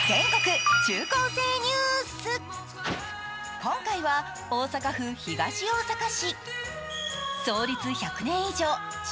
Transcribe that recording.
今回は大阪府東大阪市。